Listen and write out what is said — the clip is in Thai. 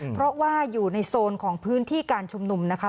เพราะว่าอยู่ในโซนของพื้นที่การชุมนุมนะคะ